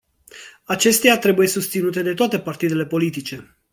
Acestea trebuie susținute de toate partidele politice.